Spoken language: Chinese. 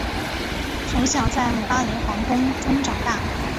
从小在姆巴雷皇宫中长大。